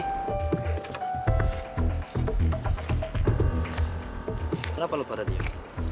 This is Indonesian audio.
kenapa lo pada diam